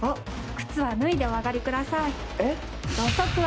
靴はぬいでお上がり下さい。